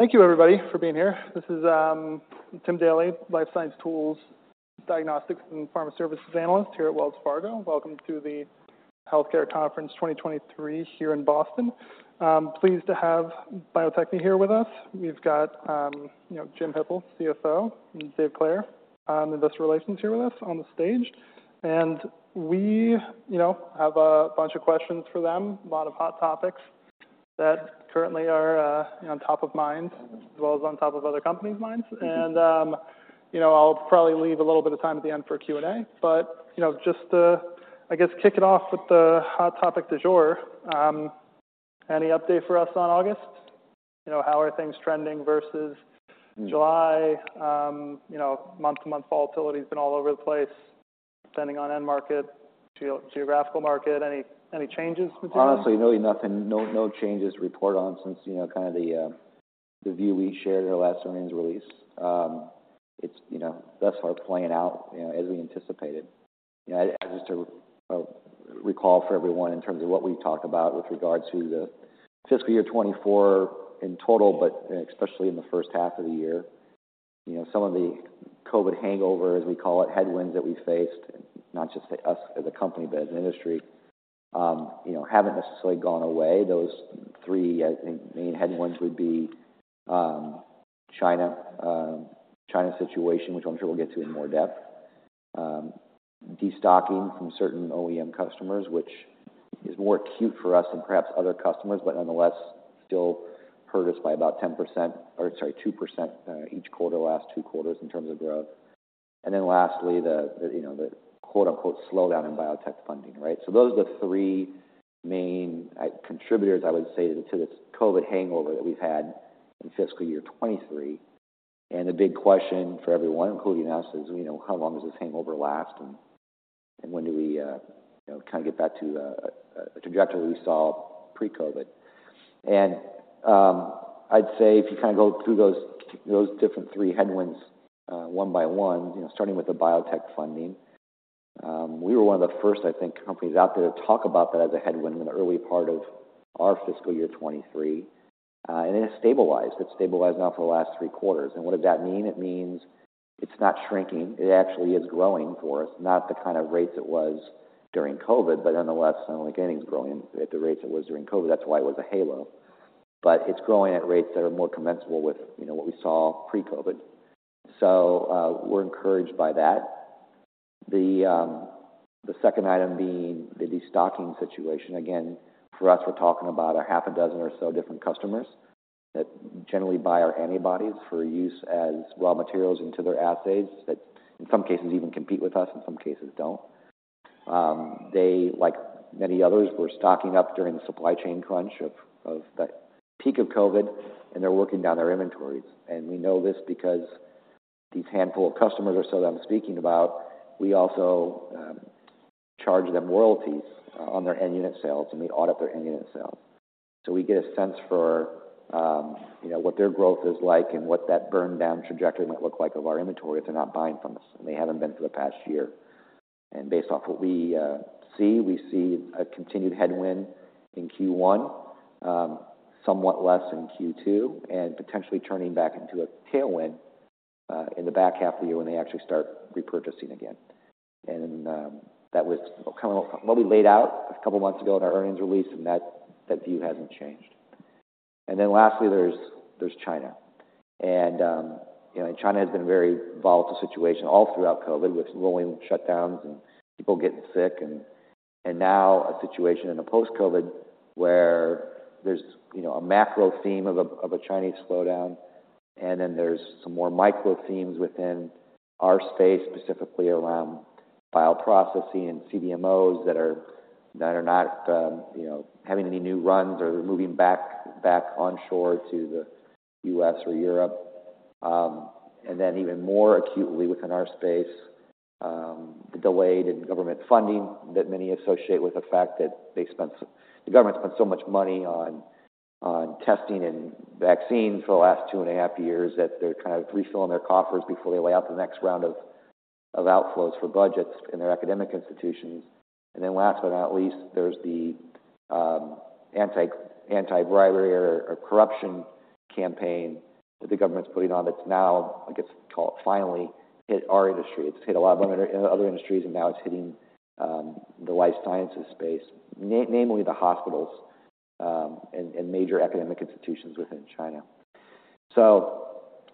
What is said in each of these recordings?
Thank you everybody for being here. This is, Tim Daley, Life Science Tools, Diagnostics and Pharma Services Analyst here at Wells Fargo. Welcome to the Healthcare Conference 2023 here in Boston. Pleased to have Bio-Techne here with us. We've got, you know, Jim Hippel, CFO, and David Clair, Investor Relations, here with us on the stage. We, you know, have a bunch of questions for them. A lot of hot topics that currently are, on top of mind, as well as on top of other companies' minds. You know, I'll probably leave a little bit of time at the end for Q&A. But, you know, just to, I guess, kick it off with the hot topic du jour, any update for us on August? You know, how are things trending versus July You know, month-to-month volatility has been all over the place, depending on end market, geographical market. Any changes between- Honestly, really nothing. No, no changes to report on since, you know, kind of the view we shared in our last earnings release. It's, you know, that's how it's playing out, you know, as we anticipated. You know, just to recall for everyone in terms of what we've talked about with regards to the fiscal year 2024 in total, but especially in the H1 of the year, you know, some of the COVID hangover, as we call it, headwinds that we faced, not just to us as a company, but as an industry, you know, haven't necessarily gone away. Those three, I think, main headwinds would be, China, China's situation, which I'm sure we'll get to in more depth. Destocking from certain OEM customers, which is more acute for us than perhaps other customers, but nonetheless, still hurt us by about 10%--or sorry, 2%, each quarter, last two quarters, in terms of growth. And then lastly, the, you know, the quote-unquote, "slowdown in biotech funding" right? So those are the three main contributors, I would say, to the COVID hangover that we've had in fiscal year 2023. And the big question for everyone, including us, is: You know, how long does this hangover last, and when do we, you know, kind of get back to a trajectory we saw pre-COVID? I'd say if you kind of go through those different three headwinds, one by one, you know, starting with the Biotech Funding, we were one of the first, I think, companies out there to talk about that as a headwind in the early part of our fiscal year 2023, and it has stabilized. It's stabilized now for the last three quarters. And what does that mean? It means it's not shrinking. It actually is growing for us. Not the kind of rates it was during COVID, but nonetheless, I don't think anything's growing at the rates it was during COVID. That's why it was a halo. But it's growing at rates that are more commensurable with, you know, what we saw pre-COVID. So, we're encouraged by that. The second item being the Destocking situation. Again, for us, we're talking about six or so different customers that generally buy our antibodies for use as raw materials into their assays, that in some cases even compete with us, in some cases don't. They, like many others, were stocking up during the supply chain crunch of the peak of COVID, and they're working down their inventories. And we know this because these handful of customers or so that I'm speaking about, we also charge them royalties on their end unit sales, and we audit their end unit sales. So we get a sense for, you know, what their growth is like and what that burn-down trajectory might look like of our inventory if they're not buying from us, and they haven't been for the past year. Based off what we see, we see a continued headwind in Q1, somewhat less in Q2, and potentially turning back into a tailwind in the back half of the year when they actually start repurchasing again. That was kind of what we laid out a couple months ago in our earnings release, and that view hasn't changed. Then lastly, there's China. You know, China has been a very volatile situation all throughout COVID, with rolling shutdowns and people getting sick, and now a situation in the post-COVID where there's a macro theme of a Chinese slowdown, and then there's some more micro themes within our space, specifically around file processing and CDMOs that are not having any new runs or moving back onshore to the U.S. or Europe. And then even more acutely within our space, the delayed in government funding that many associate with the fact that they spent so the government spent so much money on testing and vaccines for the last two and a half years, that they're kind of refilling their coffers before they lay out the next round of outflows for budgets in their academic institutions. And then last but not least, there's the anti-bribery or corruption campaign that the government's putting on, that's now, I guess, finally hit our industry. It's hit a lot of other industries, and now it's hitting the life sciences space, namely the hospitals, and major academic institutions within China. So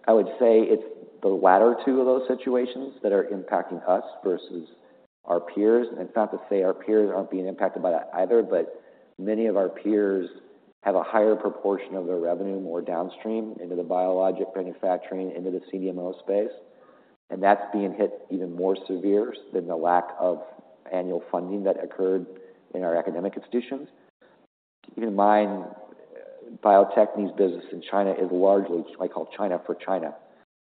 I would say it's the latter two of those situations that are impacting us versus our peers. It's not to say our peers aren't being impacted by that either, but many of our peers have a higher proportion of their revenue more downstream into the biologic manufacturing, into the CDMO space, and that's being hit even more severe than the lack of annual funding that occurred in our academic institutions. Keep in mind, biotech and these business in China is largely what I call China for China.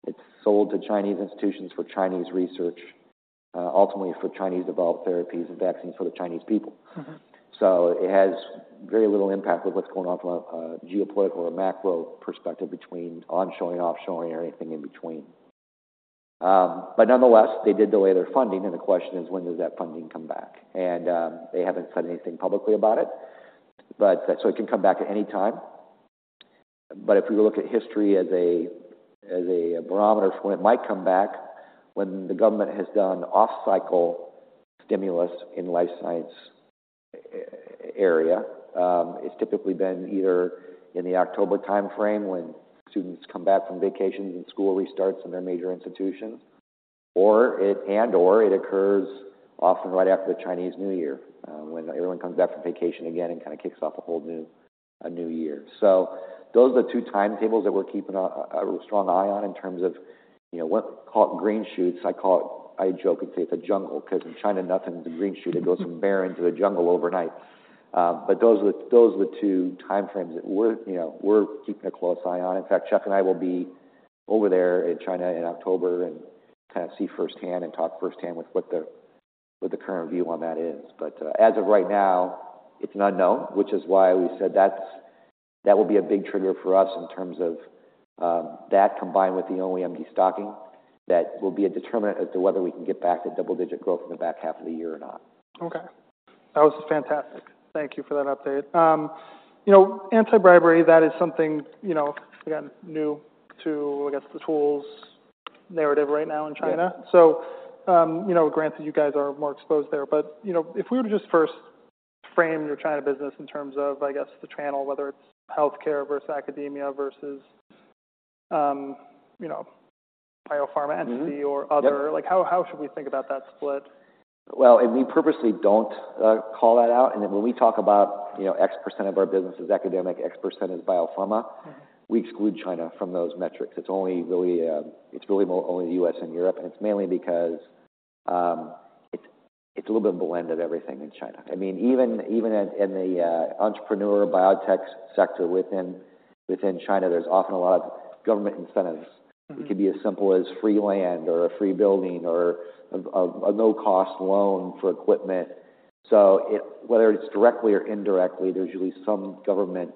It's sold to Chinese institutions for Chinese research, ultimately for Chinese-developed therapies and vaccines for the Chinese people. Mm-hmm. So it has very little impact with what's going on from a geopolitical or macro perspective between onshoring, offshoring, or anything in between. But nonetheless, they did delay their funding, and the question is: when does that funding come back? And they haven't said anything publicly about it, but so it can come back at any time. But if we look at history as a barometer for when it might come back, when the government has done off-cycle stimulus in life science area, it's typically been either in the October timeframe, when students come back from vacation and school restarts in their major institutions, or and/or it occurs often right after the Chinese New Year, when everyone comes back from vacation again and kinda kicks off a whole new year. So those are the two timetables that we're keeping a strong eye on in terms of, you know, what's called green shoots. I call it, I joke and say it's a jungle, 'cause in China, nothing's a green shoot. It goes from bare into the jungle overnight. But those are the two timeframes that we're, you know, we're keeping a close eye on. In fact, Chuck and I will be over there in China in October and kind of see firsthand and talk firsthand with what the current view on that is. But as of right now, it's an unknown, which is why we said that will be a big trigger for us in terms of that combined with the OEM destocking. That will be a determinant as to whether we can get back to double-digit growth in the back half of the year or not. Okay. That was fantastic. Thank you for that update. You know, anti-bribery, that is something, you know, again, new to, I guess, the tools narrative right now in China. Yeah. So, you know, granted, you guys are more exposed there, but, you know, if we were to just first frame your China business in terms of, I guess, the channel, whether it's healthcare versus academia versus, you know, biopharma entity or other. How should we think about that split? Well, and we purposely don't call that out, and then when we talk about, you know, X% of our business is academic, X% is biopharma we exclude China from those metrics. It's only really, it's really more only the US and Europe, and it's mainly because, it's a little bit blended everything in China. I mean, even in the entrepreneurial biotech sector within China, there's often a lot of government incentives. It could be as simple as free land, or a free building, or a no-cost loan for equipment. So it, whether it's directly or indirectly, there's usually some government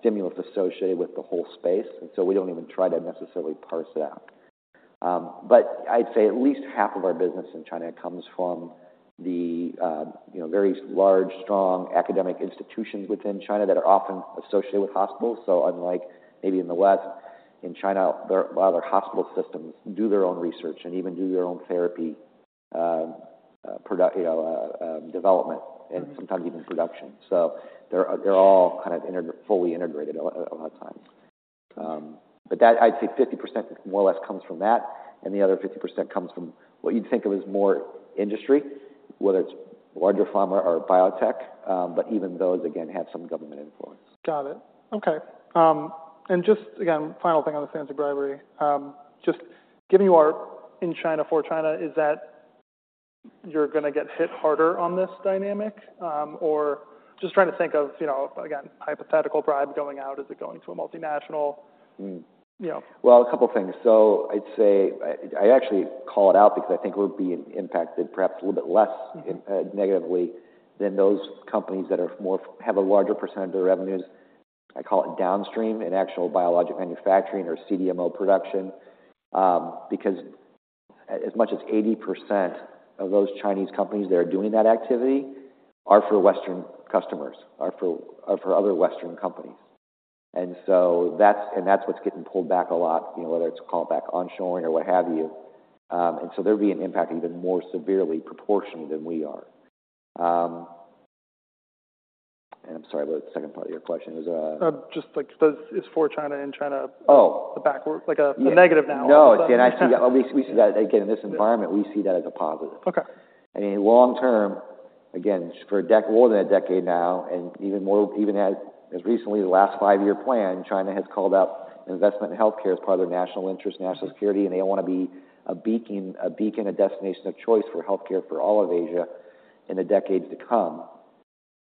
stimulus associated with the whole space, and so we don't even try to necessarily parse it out. But I'd say at least half of our business in China comes from the, you know, very large, strong academic institutions within China that are often associated with hospitals. So unlike maybe in the West, in China, their, a lot of their hospital systems do their own research and even do their own therapy, you know, development and sometimes even production. So they're all kind of fully integrated a lot of times. But that, I'd say 50% more or less comes from that, and the other 50% comes from what you'd think of as more industry, whether it's larger pharma or biotech, but even those, again, have some government influence. Got it. Okay. And just, again, final thing on this anti-bribery. Just given you are in China, for China, is that you're gonna get hit harder on this dynamic? Or just trying to think of, you know, again, hypothetical bribe going out, is it going to a multinational? You know. Well, a couple things. So I'd say... I, I actually call it out because I think we'll be impacted perhaps a little bit less negatively than those companies that are more, have a larger percentage of their revenues, I call it downstream, in actual biologic manufacturing or CDMO production. Because as much as 80% of those Chinese companies that are doing that activity are for Western customers, for other Western companies. And so that's what's getting pulled back a lot, you know, whether it's called back onshoring or what have you. And so they're being impacted even more severely proportionally than we are. And I'm sorry, what was the second part of your question? Just like, does is for China and China- Oh... the backward, like a- Yeah the negative now. No, and actually, we see that, again, in this environment- Yeah... we see that as a positive. Okay. I mean, long term, again, for more than a decade now, and even more, even as, as recently as the last five-year plan, China has called out investment in healthcare as part of their national interest, national security, and they want to be a beacon, a beacon, a destination of choice for healthcare for all of Asia in the decades to come.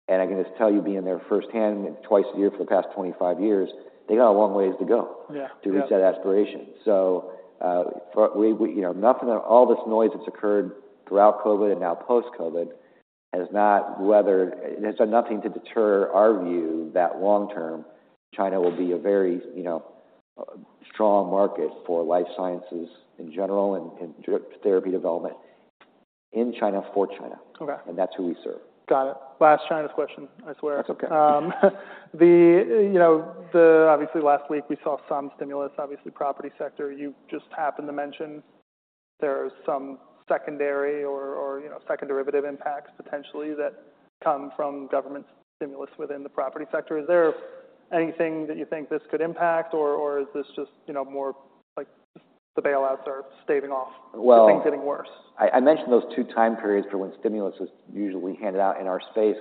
And I can just tell you, being there firsthand twice a year for the past 25 years, they got a long ways to go- Yeah, yeah... to reach that aspiration. So, you know, all this noise that's occurred throughout COVID and now post-COVID has not wavered, it has done nothing to deter our view that long term, China will be a very, you know, strong market for life sciences in general and cell therapy development in China, for China. Okay. That's who we serve. Got it. Last China question, I swear. That's okay. Obviously, last week, we saw some stimulus, obviously, property sector. You just happened to mention there are some secondary or, you know, second derivative impacts potentially that come from government stimulus within the property sector. Is there anything that you think this could impact, or is this just, you know, more like just the bailouts are staving off- Well- Things getting worse? I mentioned those two time periods for when stimulus is usually handed out in our space,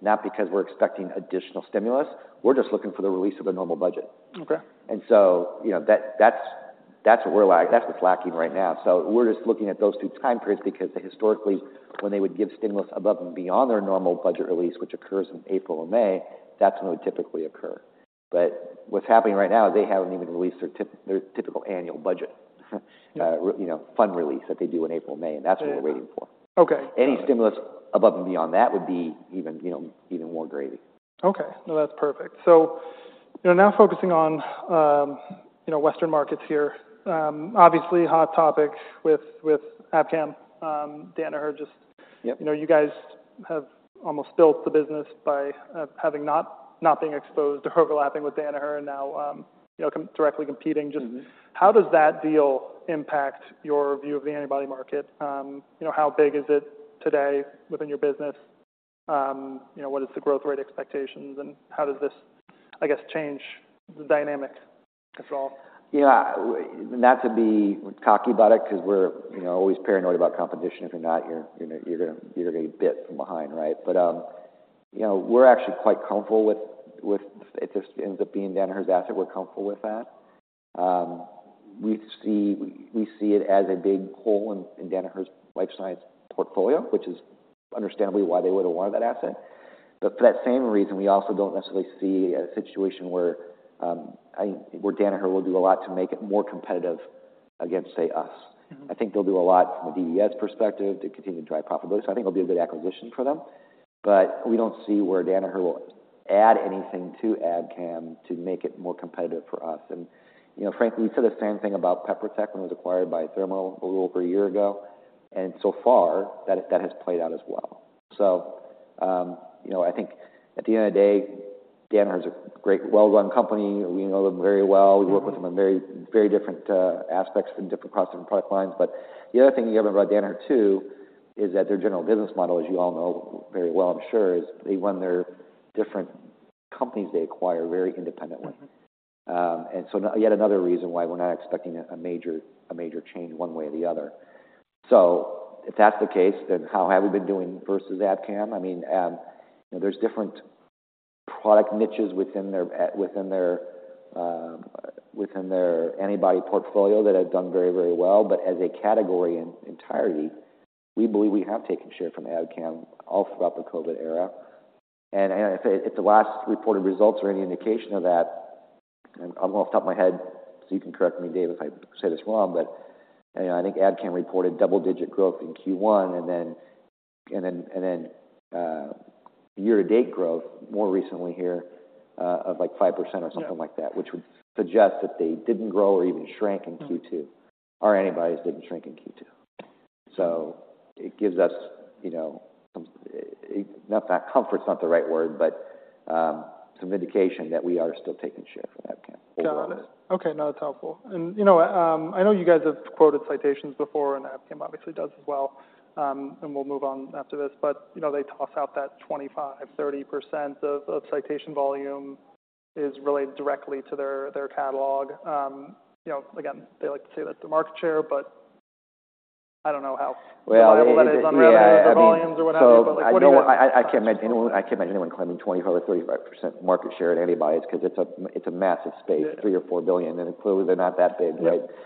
not because we're expecting additional stimulus. We're just looking for the release of a normal budget. Okay. And so, you know, that's what we're lacking right now. So we're just looking at those two time periods because historically, when they would give stimulus above and beyond their normal budget release, which occurs in April or May, that's when it would typically occur. But what's happening right now, they haven't even released their typical annual budget. Mm-hmm... you know, funding that they do in April, May, and that's what we're waiting for. Okay. Any stimulus above and beyond that would be even, you know, even more gravy. Okay, no, that's perfect. So, you know, now focusing on, you know, Western markets here, obviously hot topic with, with Abcam, Danaher just- Yep. You know, you guys have almost built the business by having not being exposed or overlapping with Danaher and now, you know, directly competing. Mm-hmm. Just how does that deal impact your view of the antibody market? You know, how big is it today within your business? You know, what is the growth rate expectations, and how does this, I guess, change the dynamic at all? Yeah, not to be cocky about it, 'cause we're, you know, always paranoid about competition. If you're not, you're, you know, you're gonna get bit from behind, right? But, you know, we're actually quite comfortable with if this ends up being Danaher's asset, we're comfortable with that. We see it as a big hole in Danaher's life science portfolio, which is understandably why they would have wanted that asset. But for that same reason, we also don't necessarily see a situation where Danaher will do a lot to make it more competitive against, say, us. Mm-hmm. I think they'll do a lot from a DES perspective to continue to drive profitability, so I think it'll be a good acquisition for them. But we don't see where Danaher will add anything to Abcam to make it more competitive for us. And, you know, frankly, we said the same thing about PeproTech when it was acquired by Thermo a little over a year ago, and so far, that has played out as well. So, you know, I think at the end of the day, Danaher is a great, well-run company. We know them very well. Mm-hmm. We work with them in very, very different aspects and different across different product lines. But the other thing you hear about Danaher, too, is that their general business model, as you all know very well, I'm sure, is they run their different companies they acquire very independently. Mm-hmm. So yet another reason why we're not expecting a major change one way or the other. So if that's the case, then how have we been doing versus Abcam? I mean, you know, there's different product niches within their antibody portfolio that have done very, very well. But as a category in entirety, we believe we have taken share from Abcam all throughout the COVID era. And if the last reported results are any indication of that, and off the top of my head, so you can correct me, Dave, if I say this wrong, but, you know, I think Abcam reported double-digit growth in Q1, and then year-to-date growth more recently here, of, like, 5% or something like that. Yeah. Which would suggest that they didn't grow or even shrank in Q2. Mm-hmm. Our antibodies didn't shrink in Q2. So it gives us, you know, some... Not that, comfort's not the right word, but, some indication that we are still taking share from Abcam overall. Got it. Okay, no, that's helpful. And, you know, I know you guys have quoted citations before, and Abcam obviously does as well, and we'll move on after this. But, you know, they toss out that 25%-30% of citation volume is related directly to their catalog. You know, again, they like to say that's the market share, but I don't know how- Well- reliable that is on their volumes or whatever, but like, what do you? I can't imagine anyone claiming 25%-35% market share in antibodies, 'cause it's a massive space. Yeah. billion or $4 billion, and clearly they're not that big, right? Yeah.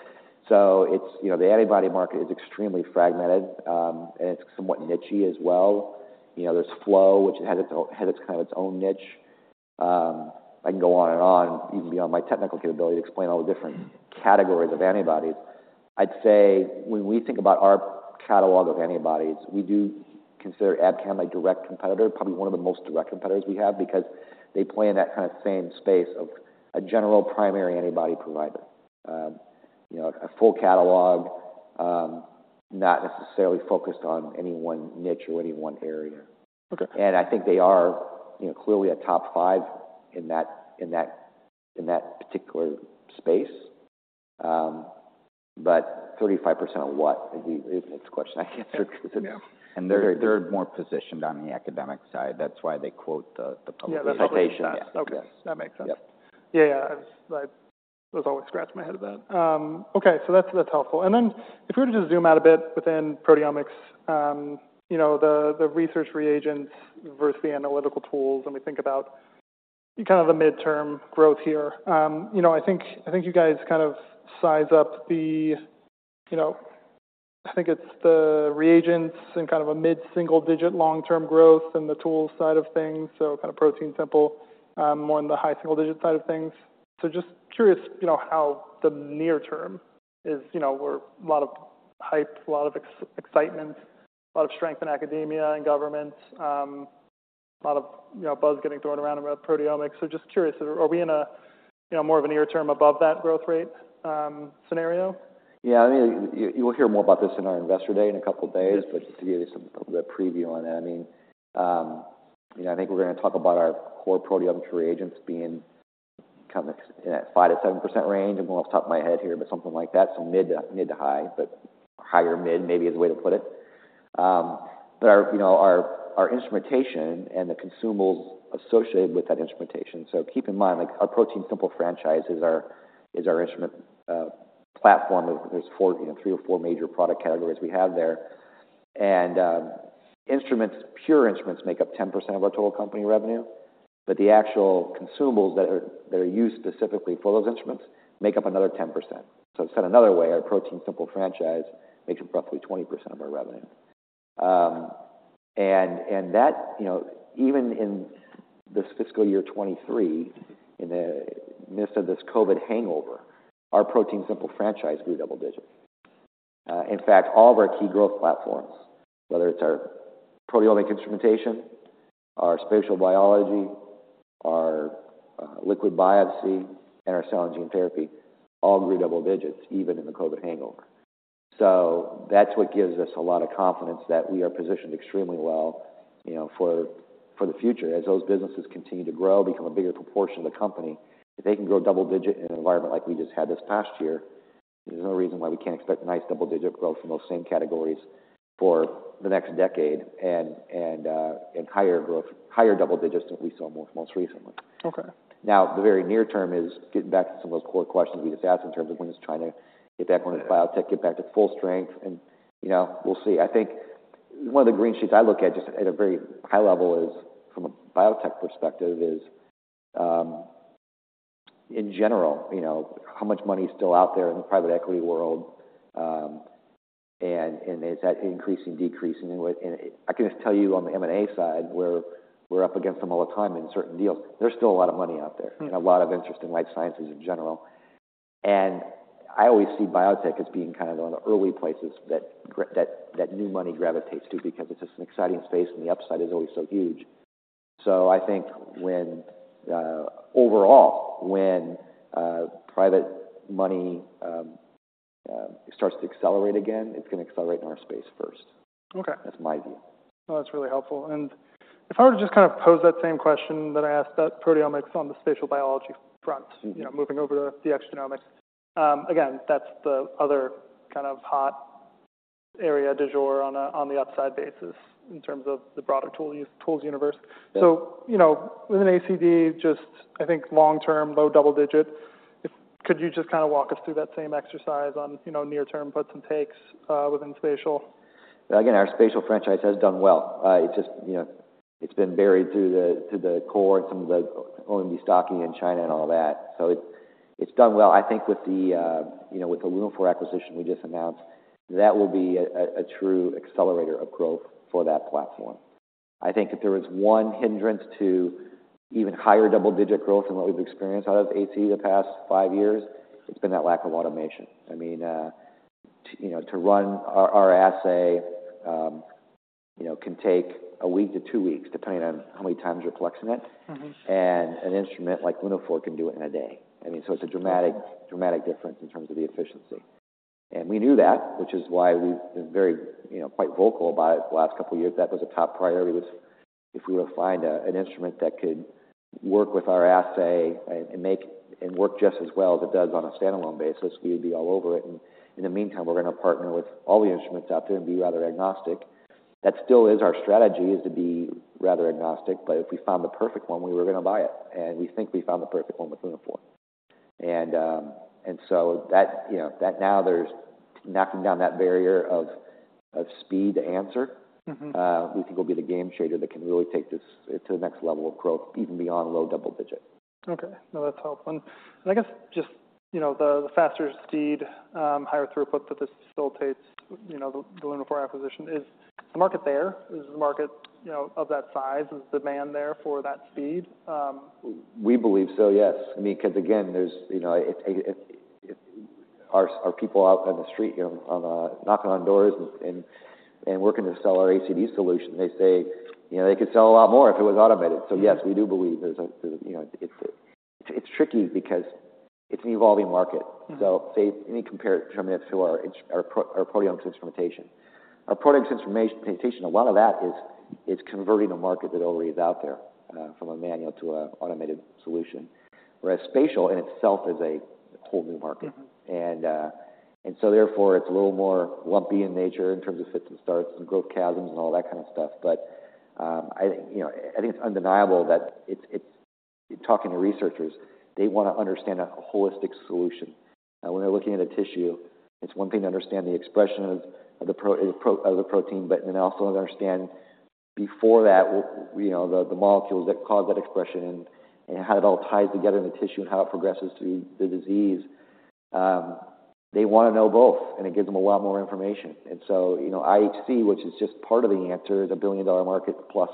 So it's, you know, the antibody market is extremely fragmented, and it's somewhat nichey as well. You know, there's Flow, which has its own, has its kind of its own niche. I can go on and on, even beyond my technical capability, to explain all the different categories of antibodies. I'd say when we think about our catalog of antibodies, we do consider Abcam a direct competitor, probably one of the most direct competitors we have, because they play in that kind of same space of a general primary antibody provider. You know, a full catalog, not necessarily focused on any one niche or any one area. Okay. I think they are, you know, clearly a top five in that, in that, in that particular space. But 35% of what? It's a question I can't answer. Yeah. They're more positioned on the academic side. That's why they quote the publication. Yeah, the publication. Yeah. Okay, that makes sense. Yep. Yeah, I was always scratching my head at that. Okay, so that's, that's helpful. And then, if we were to just zoom out a bit within proteomics, you know, the, the research reagents versus the analytical tools, and we think about kind of the midterm growth here. You know, I think, I think you guys kind of size up the, you know, I think it's the reagents in kind of a mid-single digit long-term growth in the tools side of things, so kind of ProteinSimple, more on the high single digit side of things. So just curious, you know, how the near term is. You know, we're a lot of hype, a lot of excitement, a lot of strength in academia and government, a lot of, you know, buzz getting thrown around about proteomics. Just curious, are we in a, you know, more of a near-term above that growth rate, scenario? Yeah, I mean, you, you will hear more about this in our Investor Day in a couple of days, but just to give you some little bit of preview on that, I mean, you know, I think we're gonna talk about our core proteomic reagents being kind of in that 5%-7% range. I'm going off the top of my head here, but something like that. So mid to, mid to high, but higher mid maybe is the way to put it. But our, you know, our, our instrumentation and the consumables associated with that instrumentation. So keep in mind, like, our ProteinSimple franchise is our, is our instrument platform. There's four, you know, three or four major product categories we have there. Instruments, pure instruments, make up 10% of our total company revenue, but the actual consumables that are used specifically for those instruments make up another 10%. So said another way, our ProteinSimple franchise makes up roughly 20% of our revenue... and that, you know, even in this fiscal year 2023, in the midst of this COVID hangover, our ProteinSimple franchise grew double digits. In fact, all of our key growth platforms, whether it's our proteomic instrumentation, our spatial biology, our liquid biopsy, and our cell and gene therapy, all grew double digits, even in the COVID hangover. So that's what gives us a lot of confidence that we are positioned extremely well, you know, for the future. As those businesses continue to grow, become a bigger proportion of the company, if they can grow double-digit in an environment like we just had this past year, there's no reason why we can't expect nice double-digit growth from those same categories for the next decade, and higher growth, higher double digits than we saw most recently. Okay. Now, the very near term is getting back to some of those core questions we just asked in terms of when it's trying to, if that point of biotech, get back to full strength. You know, we'll see. I think one of the green sheets I look at, just at a very high level, is from a biotech perspective, is, in general, you know, how much money is still out there in the private equity world? And is that increasing, decreasing? I can just tell you on the M&A side, where we're up against them all the time in certain deals, there's still a lot of money out there- Mm-hmm. and a lot of interest in life sciences in general. And I always see biotech as being kind of one of the early places that new money gravitates to, because it's just an exciting space, and the upside is always so huge. So I think when overall when private money starts to accelerate again, it's going to accelerate in our space first. Okay. That's my view. Well, that's really helpful. If I were to just kind of pose that same question that I asked about proteomics on the spatial biology front- Mm-hmm. You know, moving over to the exosome genomics, again, that's the other kind of hot area du jour on the upside basis in terms of the broader tool use, tools universe. Yeah. So, you know, within ACD, just, I think long-term, low double digits, if... Could you just kind of walk us through that same exercise on, you know, near-term puts and takes within spatial? Again, our spatial franchise has done well. It's just, you know, it's been buried through to the core and some of the OEM destocking in China and all that. So it, it's done well. I think with the, you know, with the Lunaphore acquisition we just announced, that will be a true accelerator of growth for that platform. I think if there was one hindrance to even higher double-digit growth than what we've experienced out of ACD the past five years, it's been that lack of automation. I mean, to, you know, to run our, our assay, you know, can take a week to two weeks, depending on how many times you're collecting it. Mm-hmm. An instrument like Lunaphore can do it in a day. I mean, so it's a dramatic- Okay... dramatic difference in terms of the efficiency. And we knew that, which is why we've been very, you know, quite vocal about it the last couple of years. That was a top priority, was if we were to find an instrument that could work with our assay and make and work just as well as it does on a standalone basis, we would be all over it. And in the meantime, we're going to partner with all the instruments out there and be rather agnostic. That still is our strategy, is to be rather agnostic, but if we found the perfect one, we were going to buy it, and we think we found the perfect one with Lunaphore. And, and so that, you know, that now there's knocking down that barrier of speed to answer- Mm-hmm... we think will be the game changer that can really take this to the next level of growth, even beyond low double digits. Okay. No, that's helpful. And I guess just, you know, the faster speed, higher throughput that this facilitates, you know, the Lunaphore acquisition, is the market there? Is the market, you know, of that size? Is demand there for that speed? We believe so, yes. I mean, because again, there's, you know, our people out on the street, you know, on knocking on doors and working to sell our ACD solution, they say, "You know, they could sell a lot more if it was automated. Yeah. So yes, we do believe there's a, you know, it's tricky because it's an evolving market. Mm-hmm. So, say, let me compare it to our proteomic instrumentation. Our proteomic instrumentation, a lot of that is converting a market that already is out there from a manual to an automated solution. Whereas spatial in itself is a whole new market. Mm-hmm. So therefore, it's a little more lumpy in nature in terms of fits and starts, and growth chasms, and all that kind of stuff. But, you know, I think it's undeniable that it is. Talking to researchers, they want to understand a holistic solution. When they're looking at a tissue, it's one thing to understand the expression of the protein, but then also understand before that, you know, the molecules that cause that expression and how it all ties together in the tissue and how it progresses to the disease. They want to know both, and it gives them a lot more information. So, you know, IHC, which is just part of the answer, is a billion-dollar market plus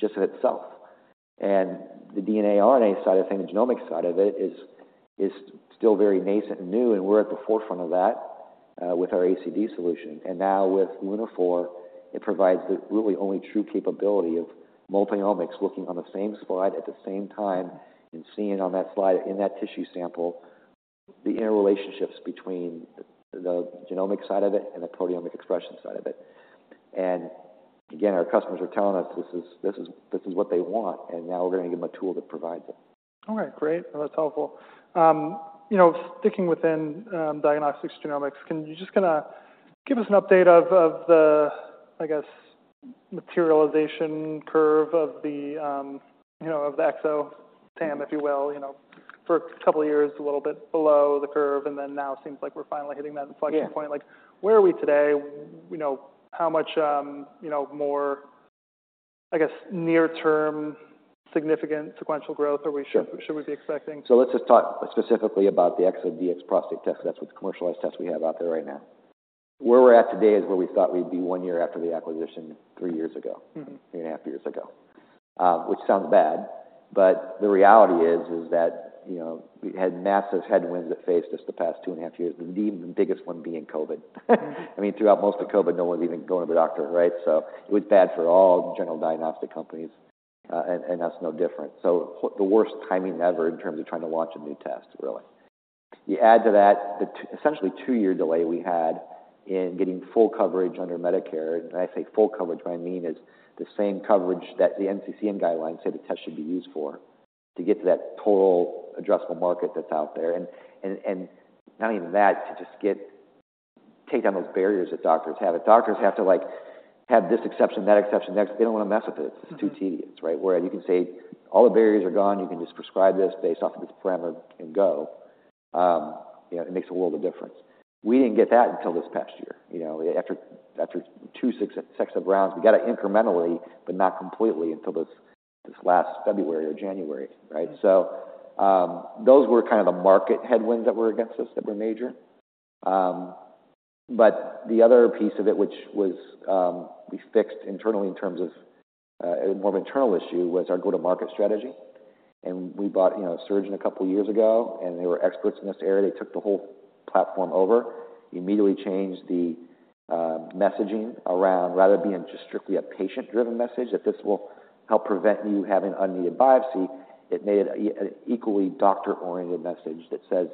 just in itself. And the DNA, RNA side of things, the genomics side of it, is still very nascent and new, and we're at the forefront of that with our ACD solution. And now with Lunaphore, it provides the really only true capability of multi-omics, looking on the same slide at the same time, and seeing on that slide, in that tissue sample, the interrelationships between the genomic side of it and the proteomic expression side of it. And again, our customers are telling us this is what they want, and now we're going to give them a tool that provides it. All right, great. Well, that's helpful. You know, sticking within, diagnostics, genomics, can you just kinda give us an update of, of the, I guess, materialization curve of the, you know, of the exo TAM, if you will? You know, for a couple of years, a little bit below the curve, and then now seems like we're finally hitting that inflection point. Yeah. Like, where are we today? You know, how much, you know, I guess, near-term significant sequential growth, are we sure? Sure. Should we be expecting? Let's just talk specifically about the ExoDx Prostate test. That's the commercialized test we have out there right now. Where we're at today is where we thought we'd be one year after the acquisition, three years ago. Mm-hmm. three and a half years ago, which sounds bad, but the reality is that, you know, we had massive headwinds that faced us the past two and a half years, the biggest one being COVID. I mean, throughout most of COVID, no one's even going to the doctor, right? So it was bad for all general diagnostic companies, and that's no different. So the worst timing ever in terms of trying to launch a new test, really. You add to that the essentially two-year delay we had in getting full coverage under Medicare, and when I say full coverage, what I mean is the same coverage that the NCCN Guidelines say the test should be used for, to get to that total addressable market that's out there. And not even that, to just get... take down those barriers that doctors have. If doctors have to, like, have this exception, that exception, next, they don't want to mess with it. Mm-hmm. It's too tedious, right? Where you can say, "All the barriers are gone, you can just prescribe this based off of this parameter and go," you know, it makes a world of difference. We didn't get that until this past year, you know, after two successful sets of rounds. We got it incrementally, but not completely until this last February or January, right? Mm-hmm. So, those were kind of the market headwinds that were against us that were major. But the other piece of it, which was, we fixed internally in terms of, a more internal issue, was our go-to-market strategy. And we bought, you know, Asuragen a couple years ago, and they were experts in this area. They took the whole platform over, immediately changed the, messaging around, rather than being just strictly a patient-driven message, that this will help prevent you having an unneeded biopsy. It made it an equally doctor-oriented message that says,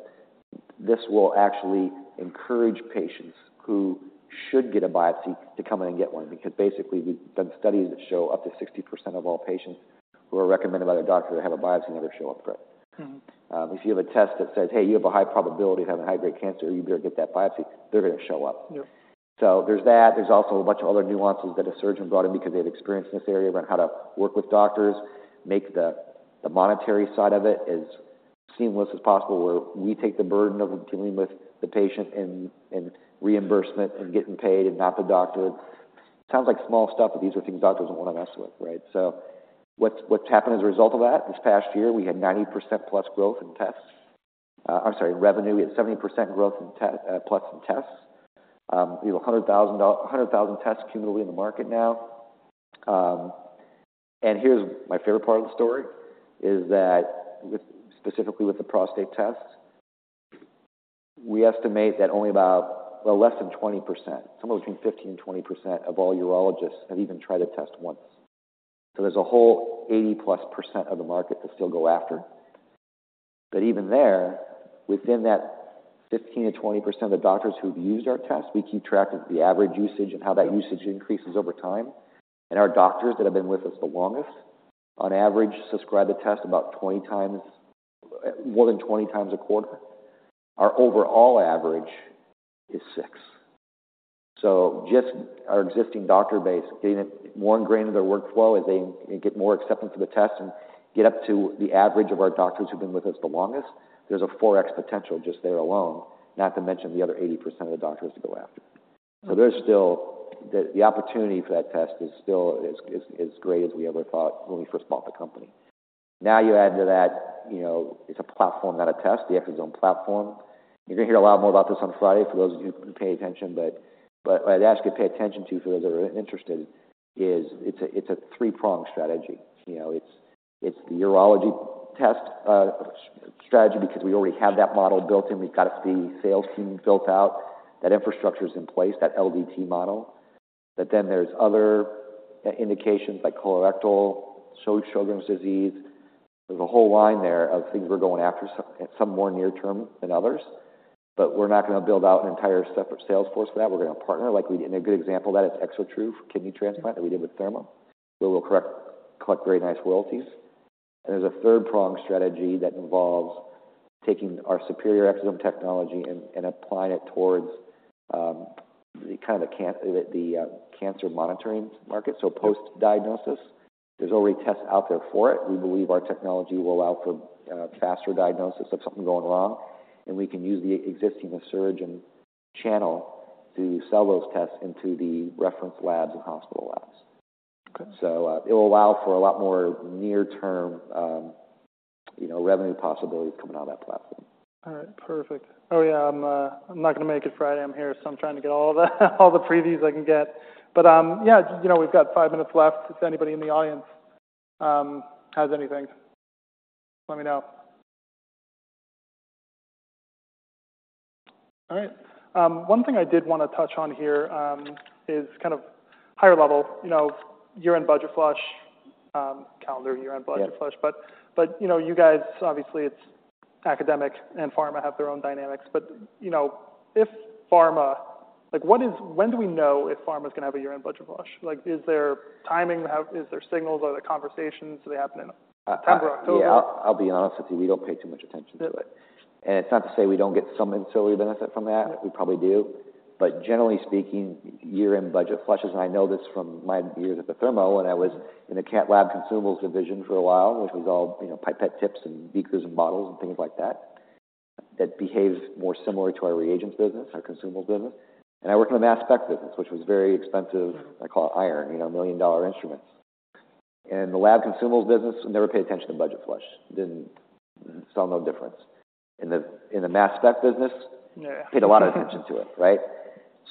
"This will actually encourage patients who should get a biopsy to come in and get one." Because basically, we've done studies that show up to 60% of all patients who are recommended by their doctor to have a biopsy, never show up for it. Mm-hmm. If you have a test that says, "Hey, you have a high probability of having high-grade cancer, you better get that biopsy," they're going to show up. Yep. So there's that. There's also a bunch of other nuances that Asuragen brought in because they have experience in this area, about how to work with doctors, make the, the monetary side of it as seamless as possible, where we take the burden of dealing with the patient and, and reimbursement and getting paid, and not the doctor. Sounds like small stuff, but these are things doctors don't want to mess with, right? So what's, what's happened as a result of that, this past year, we had 90%+ growth in tests. I'm sorry, revenue. We had 70% growth in test, plus in tests. We have 100,000 tests cumulatively in the market now. And here's my favorite part of the story, is that with, specifically with the prostate tests, we estimate that only about, well, less than 20%, somewhere between 15%-20% of all urologists have even tried the test once. So there's a whole 80%+ of the market to still go after. But even there, within that 15%-20% of the doctors who've used our test, we keep track of the average usage and how that usage increases over time. And our doctors that have been with us the longest, on average, prescribe the test about 20 times, more than 20 times a quarter. Our overall average is 6. Just our existing doctor base, getting it more ingrained in their workflow as they get more acceptance for the test and get up to the average of our doctors who've been with us the longest, there's a 4x potential just there alone, not to mention the other 80% of the doctors to go after. Mm-hmm. So there's still the opportunity for that test is still as great as we ever thought when we first bought the company. Now, you add to that, you know, it's a platform, not a test, the Exosome platform. You're going to hear a lot more about this on Friday, for those of you who pay attention. But what I'd ask you to pay attention to, for those that are interested, is it's a three-pronged strategy. You know, it's the urology test strategy, because we already have that model built in. We've got the sales team built out. That infrastructure is in place, that LDT model. But then there's other indications like colorectal, Sjögren's disease. There's a whole line there of things we're going after, some more near-term than others. But we're not going to build out an entire separate sales force for that. We're going to partner, like we did... And a good example of that is ExoTRU for kidney transplant, that we did with Thermo. We will collect very nice royalties. And there's a third-prong strategy that involves taking our superior exosome technology and applying it towards the cancer monitoring market, so post-diagnosis. There's already tests out there for it. We believe our technology will allow for faster diagnosis of something going wrong, and we can use the existing Asuragen channel to sell those tests into the reference labs and hospital labs. Okay. So, it will allow for a lot more near-term, you know, revenue possibilities coming out of that platform. All right, perfect. Oh, yeah, I'm not going to make it Friday. I'm here, so I'm trying to get all the previews I can get. But, yeah, you know, we've got five minutes left. If anybody in the audience has anything, let me know. All right. One thing I did want to touch on here is kind of higher level, you know, year-end budget flush, calendar, year-end budget flush. Yeah. But you know, you guys, obviously it's academic, and pharma have their own dynamics, but you know, if pharma—like, what is—when do we know if pharma's going to have a year-end budget flush? Like, is there timing? How—is there signals? Are there conversations? Do they happen in September, October? Yeah. I'll be honest with you, we don't pay too much attention to it. Really? It's not to say we don't get some ancillary benefit from that. Right. We probably do. But generally speaking, year-end budget flushes, and I know this from my years at Thermo, when I was in the cath lab consumables division for a while, which was all, you know, pipette tips and beakers and bottles and things like that... that behaves more similarly to our reagents business, our consumables business. And I work in the mass spec business, which was very expensive. I call it iron, you know, $1 million instruments. And the lab consumables business never paid attention to budget flush, didn't, saw no difference. In the, in the mass spec business- Yeah. -paid a lot of attention to it, right?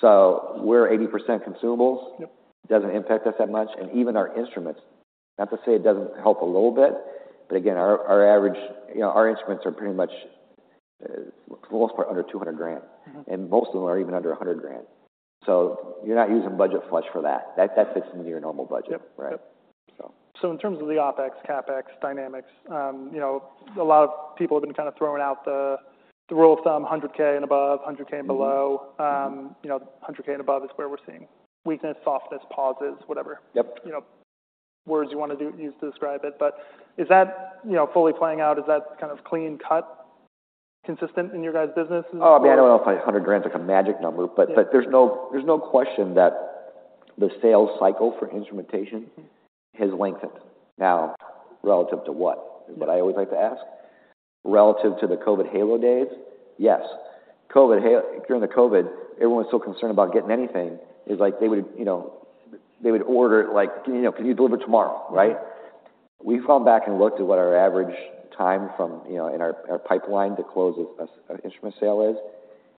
So we're 80% consumables. Yep. Doesn't impact us that much, and even our instruments, not to say it doesn't help a little bit, but again, our, our average, you know, our instruments are pretty much, for the most part, under $200,000. Mm-hmm. Most of them are even under $100,000. You're not using budget flush for that. That, that fits into your normal budget. Yep. Right? Yep. So. In terms of the OpEx, CapEx dynamics, you know, a lot of people have been kind of throwing out the rule of thumb, $100K and above, $100K and below. Mm-hmm. You know, 100K and above is where we're seeing weakness, softness, pauses, whatever. Yep. You know, words you want to use to describe it, but is that, you know, fully playing out? Is that kind of clean cut, consistent in your guys' businesses or? Oh, I mean, I don't know if $100,000 is, like, a magic number- Yeah... but there's no question that the sales cycle for instrumentation- Mm - has lengthened. Now, relative to what? Mm-hmm. Is what I always like to ask. Relative to the COVID halo days? Yes. COVID halo. During the COVID, everyone was so concerned about getting anything, it's like they would, you know, they would order, like, "Can, you know, can you deliver tomorrow," right? Mm-hmm. We've gone back and looked at what our average time from, you know, in our pipeline to close an instrument sale is,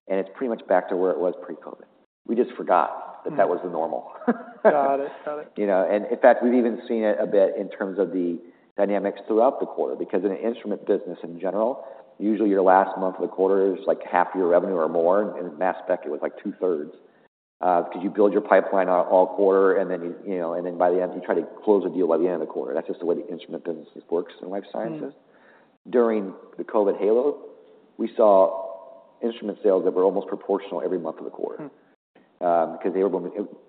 and it's pretty much back to where it was pre-COVID. We just forgot- Mm... that was the normal. Got it. Got it. You know, and in fact, we've even seen it a bit in terms of the dynamics throughout the quarter, because in an instrument business in general, usually your last month of the quarter is, like, half your revenue or more, and in mass spec, it was, like, two-thirds. Because you build your pipeline all quarter, and then, you know, and then by the end, you try to close a deal by the end of the quarter. That's just the way the instrument business works in life sciences. Mm. During the COVID halo, we saw instrument sales that were almost proportional every month of the quarter. Hmm.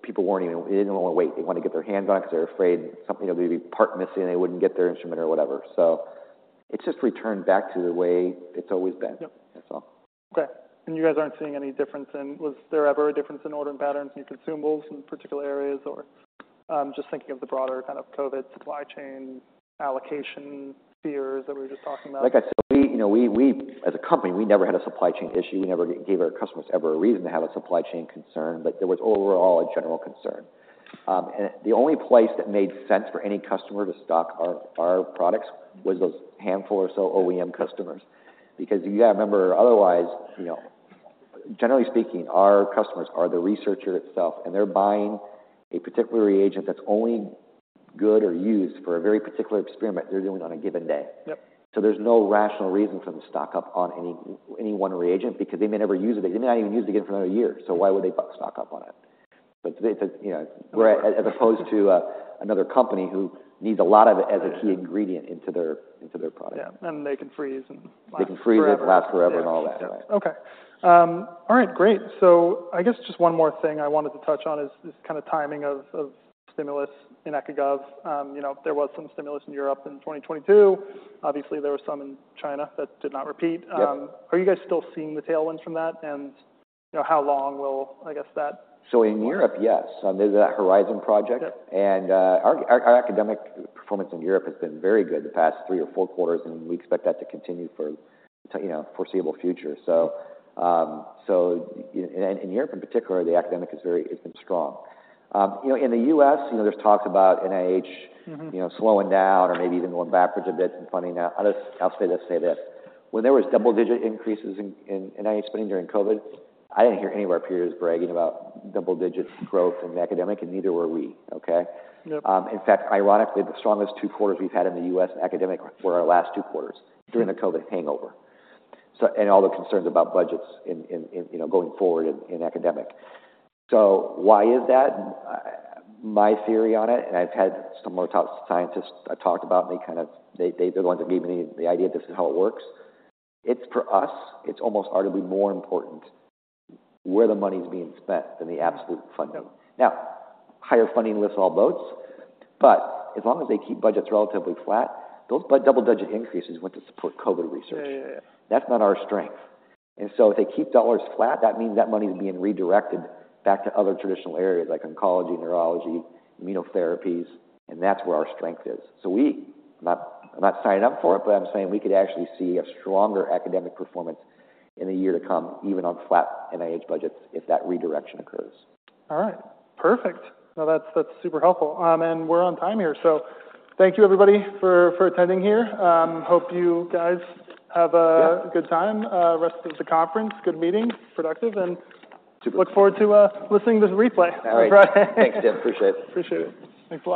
People weren't even. They didn't want to wait. They wanted to get their hands on it because they were afraid something, there'd be a part missing, and they wouldn't get their instrument or whatever. So it's just returned back to the way it's always been. Yep. That's all. Okay. And you guys aren't seeing any difference in... Was there ever a difference in ordering patterns in consumables in particular areas, or, I'm just thinking of the broader kind of COVID supply chain allocation fears that we were just talking about? Like I said, you know, as a company, we never had a supply chain issue. We never gave our customers ever a reason to have a supply chain concern, but there was overall a general concern. And the only place that made sense for any customer to stock our products was those handful or so OEM customers. Because you gotta remember, otherwise, you know, generally speaking, our customers are the researcher itself, and they're buying a particular reagent that's only good or used for a very particular experiment they're doing on a given day. Yep. So there's no rational reason for them to stock up on any, any one reagent, because they may never use it. They may not even use it again for another year, so why would they stock up on it? But, you know, as opposed to another company who needs a lot of it- Right... as a key ingredient into their product. Yeah, and they can freeze and last forever. They can freeze, it'll last forever and all that. Yeah. Okay. All right, great. So I guess just one more thing I wanted to touch on is this kind of timing of stimulus in Eco Gov. You know, there was some stimulus in Europe in 2022. Obviously, there was some in China that did not repeat. Yep. are you guys still seeing the tailwinds from that? And, you know, how long will, I guess, that- In Europe, yes. Mm. There's that Horizon Europe. Yep. And, our academic performance in Europe has been very good the past three or four quarters, and we expect that to continue for, you know, foreseeable future. So, in Europe, in particular, the academic is very, it's been strong. You know, in the US, you know, there's talks about NIH- Mm-hmm... you know, slowing down or maybe even going backwards a bit in funding. Now, I'll just, I'll say this, say this: when there was double-digit increases in NIH funding during COVID, I didn't hear any of our peers bragging about double-digit growth in academic, and neither were we, okay? Yep. In fact, ironically, the strongest two quarters we've had in the U.S. academic were our last two quarters- Mm... during the COVID hangover, so and all the concerns about budgets in you know going forward in academic. So why is that? My theory on it, and I've had some of our top scientists I talked about, and they kind of they're the ones that gave me the idea this is how it works. It's for us it's almost arguably more important where the money's being spent than the absolute funding. Now, higher funding lifts all boats, but as long as they keep budgets relatively flat, those double-digit increases went to support COVID research. Yeah, yeah, yeah. That's not our strength. And so if they keep dollars flat, that means that money is being redirected back to other traditional areas like oncology, neurology, immunotherapies, and that's where our strength is. So we, I'm not signing up for it, but I'm saying we could actually see a stronger academic performance in the year to come, even on flat NIH budgets, if that redirection occurs. All right. Perfect! Now, that's, that's super helpful. And we're on time here, so thank you everybody for, for attending here. Hope you guys have a- Yeah... good time, rest of the conference, good meeting, productive, and look forward to listening to the replay. All right. Thanks, Tim. Appreciate it. Appreciate it. Thanks.